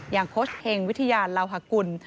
อย่างโค้ชเฮงวิทยาลาวฮกุล